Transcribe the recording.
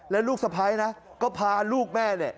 แล้วลูกสะพ้ายนะก็พาลูกแม่เนี่ย